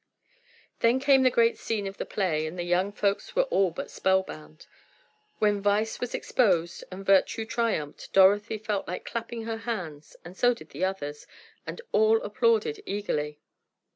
Then came the great scene of the play, and the young folks were all but spellbound. When Vice was exposed and Virtue triumphed Dorothy felt like clapping her hands, and so did the others, and all applauded eagerly.